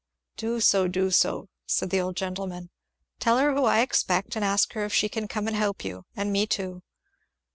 "Do so do so," said the old gentleman. "Tell her who I expect, and ask her if she can come and help you, and me too."